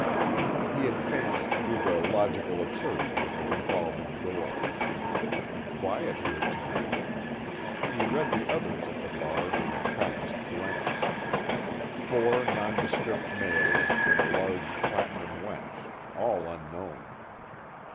He advanced through the logical absurdity of a revolving door. Quiet here tonight. He read the others at the bar in a practiced glance: four nondescript males and a large platinum wench, all unknown.